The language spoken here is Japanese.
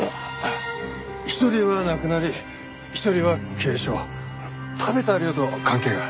一人は亡くなり一人は軽症食べた量と関係が？